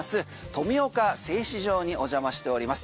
富岡製糸場にお邪魔しております。